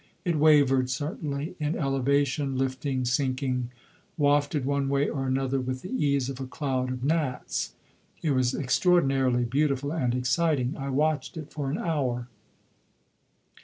It wavered, certainly, in elevation, lifting, sinking, wafted one way or another with the ease of a cloud of gnats. It was extraordinarily beautiful and exciting. I watched it for an hour.